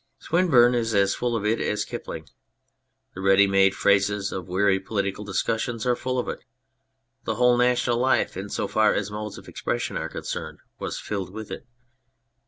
Swinburne is as full of it as Kipling ; the ready made phrases of weary political discussion are full of it. The whole national life, in so far as modes of expression are concerned, was filled with it.